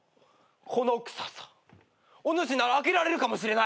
この臭さお主なら開けられるかもしれない。